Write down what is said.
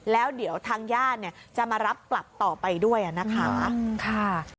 แล้วเดี๋ยวทางญาติเนี่ยจะมารับกลับต่อไปด้วยนะคะ